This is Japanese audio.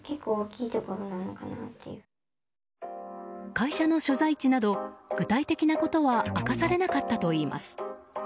会社の所在地など具体的なことは明かされなかったといいます。